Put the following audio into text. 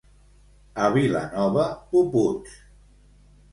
A Vilanova, puputs.